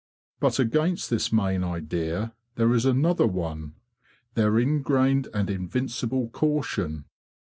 But against this main idea there is another one—their ingrained and invincible caution.